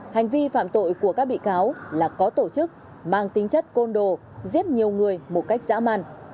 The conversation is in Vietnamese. hành vi phạm tội của các bị cáo là có tổ chức mang tính chất côn đồ giết nhiều người một cách dã man